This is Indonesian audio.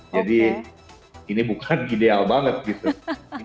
jadi ini bukan ideal banget gitu